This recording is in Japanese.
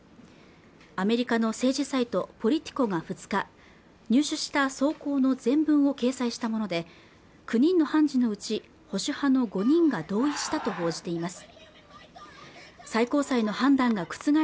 アメリカの政治サイト、ポリティコが２日入手した草稿の全文を掲載したもので９人の判事のうち保守派の５人が同意したと報じています